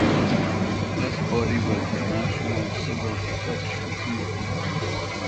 This body was the National Civil Protection Committee.